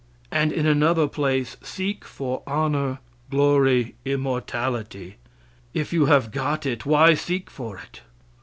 And, in another place: "Seek for honor, glory, immortality." If you have got it, why seek for it?